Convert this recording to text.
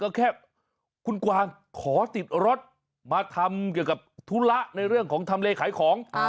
ก็แค่คุณกวางขอติดรถมาทำเกี่ยวกับธุระในเรื่องของทำเลขายของ